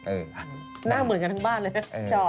หน้าเหมือนกันทั้งบ้านเลยนะ